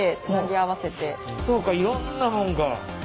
そうかいろんなものが。